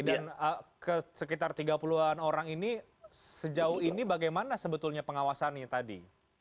dan sekitar tiga puluh an orang ini sejauh ini bagaimana sebetulnya pengawasannya tadi